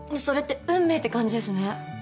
それって運命って感じですね。